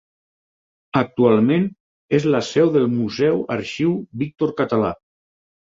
Actualment, és la seu del Museu arxiu Víctor Català.